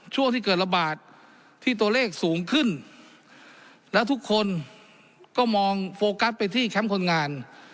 ช่วงที่เกิดระบาดที่ตัวเลขสูงขึ้นแล้วทุกคนก็มองโฟกัสไปที่แคมป์คนงาน